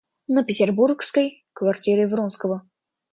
На петербургской квартире Вронского.